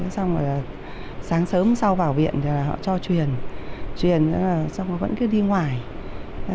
xong rồi sáng sớm sau vào viện thì họ cho truyền truyền xong rồi vẫn cứ đi ngoài cho nhập viện luôn